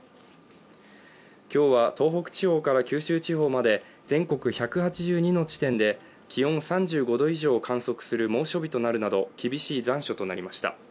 今日は東北地方から九州地方まで全国１８２の地点で気温３５度以上を観測する猛暑日となるなど厳しい残暑となりました。